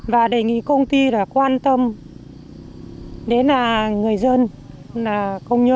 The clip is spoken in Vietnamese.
và đề nghị công ty quan tâm đến người dân công nhân